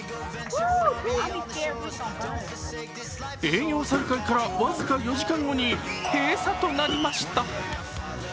営業再開から僅か４時間後に閉鎖となりました。